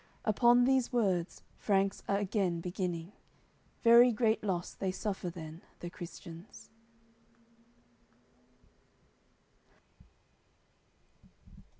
Upon these words Franks are again beginning; Very great loss they suffer then, the Christians.